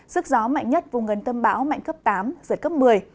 sức gió mạnh nhất vùng gần tâm bão mạnh cấp tám giật cấp một mươi